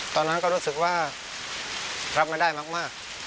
ตอนนั้นก็รู้สึกว่ารับไม่ได้มาก